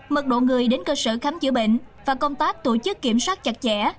mật độ người đến cơ sở khám chữa bệnh và công tác tổ chức kiểm soát chặt chẽ